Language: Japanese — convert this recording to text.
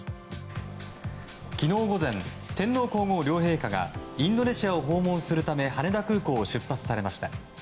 昨日午前、天皇・皇后両陛下がインドネシアを訪問するため羽田空港を出発されました。